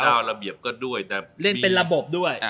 เจ้าระเบียบก็ด้วยเล่นเป็นระบบด้วย